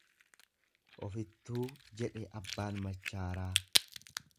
Ofittuu jedhe abbaan machaaraa.